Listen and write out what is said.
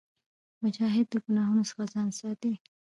مجاهد د ګناهونو څخه ځان ساتي.